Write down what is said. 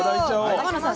天野さん